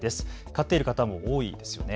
飼っている方も多いですよね。